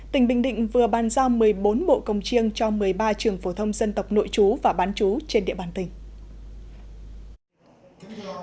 tỉnh bình định vừa bàn giao một mươi bốn bộ cồng chiêng cho một mươi ba trường phổ thông dân tộc nội chú và bán chú trên địa bàn tỉnh